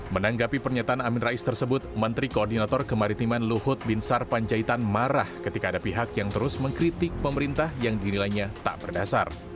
menanggapi pernyataan amin rais tersebut menteri koordinator kemaritiman luhut binsar panjaitan marah ketika ada pihak yang terus mengkritik pemerintah yang dinilainya tak berdasar